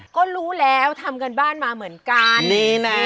ก็รู้แล้วทำกันบ้านมาเหมือนกันนี่แนะ